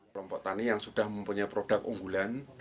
kelompok tani yang sudah mempunyai produk unggulan